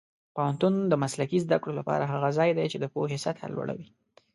پوهنتون د مسلکي زده کړو لپاره هغه ځای دی چې د پوهې سطح لوړوي.